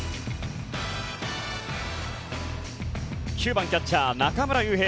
９番キャッチャー、中村悠平。